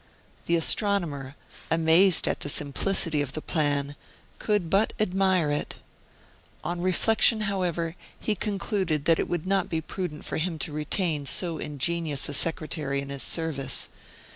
The astronomer, amazed at the simplicity of the plan, could but admire it. On reflection, however, he concluded that it would not be prudent for him to retain so ingenious a secretary in his service.